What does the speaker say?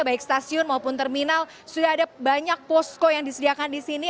baik stasiun maupun terminal sudah ada banyak posko yang disediakan di sini